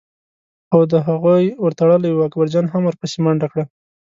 خو د هغوی ور تړلی و، اکبرجان هم ور پسې منډه کړه.